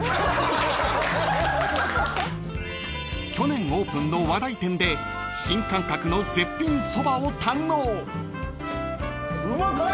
［去年オープンの話題店で新感覚の絶品そばを堪能］